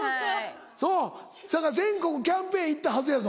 そうそやから全国キャンペーン行ったはずやぞ。